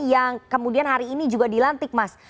yang kemudian hari ini juga dilantik mas